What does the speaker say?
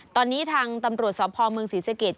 ตอนนี้ทางตำรวจสพเมืองศรีสเกต